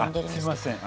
すいません。